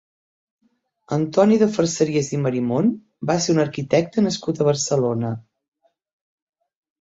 Antoni de Facerias i Marimon va ser un arquitecte nascut a Barcelona.